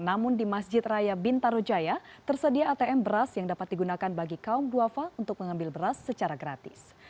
namun di masjid raya bintaro jaya tersedia atm beras yang dapat digunakan bagi kaum duafa untuk mengambil beras secara gratis